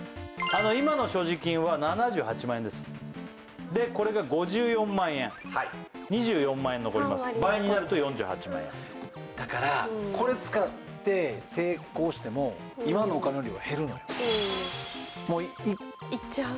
今の所持金は７８万円ですでこれが５４万円２４万円残ります倍になると４８万円だからこれ使って成功しても今のお金よりは減るのよいっちゃう？